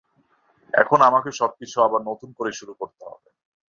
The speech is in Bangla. এখন আমাকে সবকিছু আবার নতুনভাবে শুরু করতে হবে।